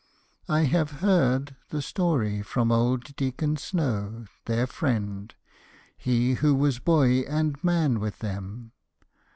I have heard The story from old Deacon Snow, their friend, He who was boy and man with them.